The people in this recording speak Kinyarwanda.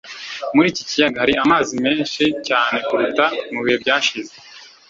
Muri iki kiyaga hari amazi menshi cyane kuruta mu bihe byashize.